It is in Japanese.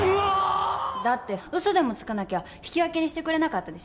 だって嘘でもつかなきゃ引き分けにしてくれなかったでしょ？